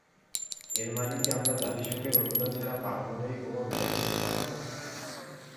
এর মানে কি আমরা জাতিসংঘের অনুমোদন ছাড়া পারমাণবিক বোমা ব্যবহার করবো না?